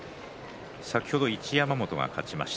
先ほど一山本が勝ちました。